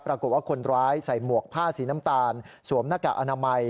ปรากฏว่าคนร้ายใส่หมวกผ้าสีน้ำตาลสวมหน้ากากอนามัย